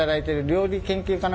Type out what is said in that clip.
料理研究家？